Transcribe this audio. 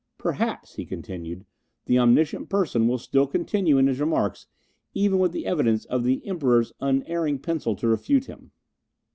"Perhaps," he continued, "the omniscient person will still continue in his remarks, even with the evidence of the Emperor's unerring pencil to refute him."